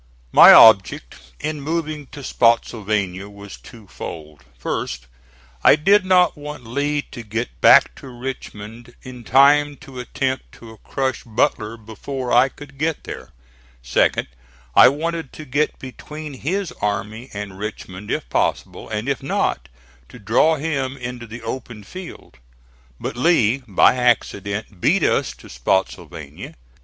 My object in moving to Spottsylvania was two fold: first, I did not want Lee to get back to Richmond in time to attempt to crush Butler before I could get there; second, I wanted to get between his army and Richmond if possible; and, if not, to draw him into the open field. But Lee, by accident, beat us to Spottsylvania.